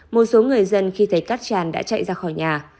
một số người dân khi thấy cát tràn đã chạy ra khỏi nhà